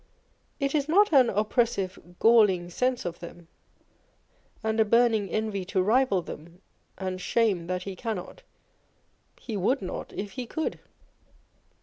It is net an oppressive, falling sense of them, and a burning envy to rival them, and shame that he cannot â€" he would not, if he could.